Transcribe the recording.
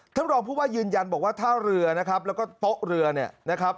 ท่านรองผู้ว่ายืนยันบอกว่าท่าเรือนะครับแล้วก็โต๊ะเรือเนี่ยนะครับ